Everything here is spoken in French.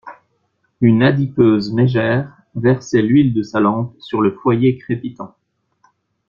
Une adipeuse mégère versait l'huile de sa lampe sur le foyer crépitant.